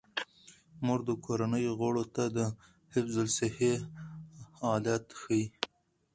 مور د کورنۍ غړو ته د حفظ الصحې عادات ښيي.